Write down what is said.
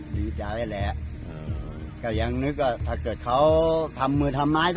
ดีใจแหละก็ยังนึกว่าถ้าเกิดเขาทำมือทำไมก็